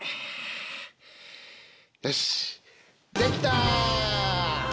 よしっできた！